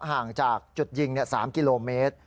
ห่างจากจุดยิง๓กิโลเมตร